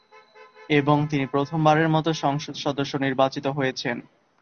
এবং তিনি প্রথম বারের মতো সংসদ সদস্য নির্বাচিত হয়েছেন।